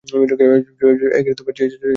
হয়েছে হয়েছে, প্রথমে আপনি আপনার জায়গায় ফিরে যান।